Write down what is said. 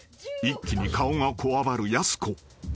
［一気に顔がこわばるやす子］